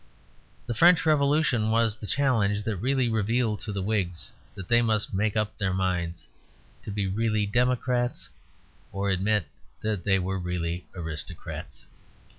The French Revolution was the challenge that really revealed to the Whigs that they must make up their minds to be really democrats or admit that they were really aristocrats.